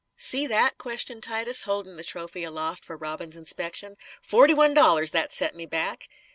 "See that?" questioned Titus, holding the trophy aloft for Robin's inspection. "Forty one dollars, that set me back.